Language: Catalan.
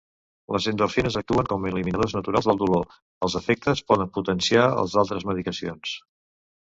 Les endorfines actuen com eliminadors naturals del dolor, els efectes poden potenciar el d'altres medicacions.